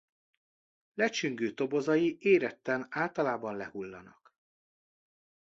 Lecsüngő tobozai éretten általában lehullanak.